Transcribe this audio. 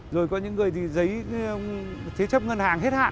rồi có những người thì giấy chấp ngân hàng hết hạn